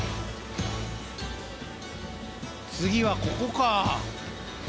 次はここか？